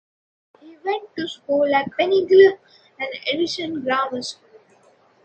He went to school at Penleigh and Essendon Grammar School.